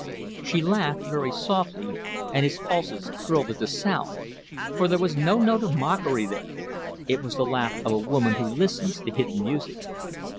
She laughed very softly, and his pulses thrilled at the sound, for there was no note of mockery there; it was the laugh of a woman who listens to hidden music.